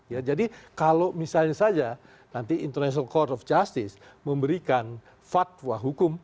ya jadi kalau misalnya saja nanti international court of justice memberikan fatwa hukum